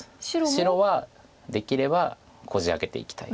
白はできればこじ開けていきたい。